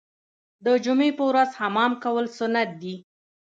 د جمعې په ورځ حمام کول سنت دي.